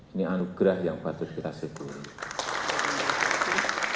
ini anugerah yang patut kita syukuri